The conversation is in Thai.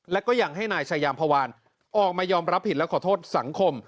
และก็ยังให้นายชายามพวานออกมายอมรับผิดและขอโทษสังคม